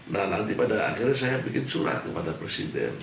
nah nanti pada akhirnya saya bikin surat kepada presiden